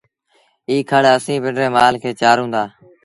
ايٚ کڙ اسيٚݩ پنڊري مآل کي چآرون دآ